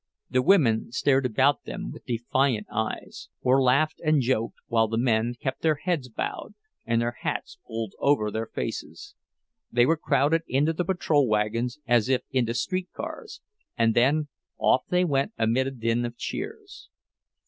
The women stared about them with defiant eyes, or laughed and joked, while the men kept their heads bowed, and their hats pulled over their faces. They were crowded into the patrol wagons as if into streetcars, and then off they went amid a din of cheers.